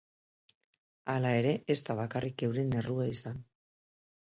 Hala ere ez da bakarrik euren errua izan.